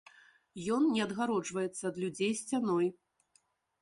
Ён не адгароджваецца ад людзей сцяной.